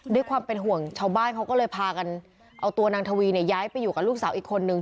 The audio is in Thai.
ด้วยความเป็นห่วงชาวบ้านเขาก็เลยพากันเอาตัวนางทวีเนี่ยย้ายไปอยู่กับลูกสาวอีกคนนึง